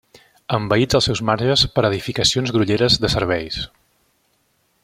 Envaïts els seus marges per edificacions grolleres de serveis.